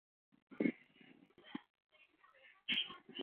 齿叶铁线莲为毛茛科铁线莲属下的一个种。